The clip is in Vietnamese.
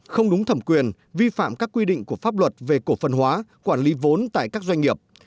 không đúng thẩm quyền vi phạm các quy định của pháp luật về cổ phần hóa quản lý vốn tại các doanh nghiệp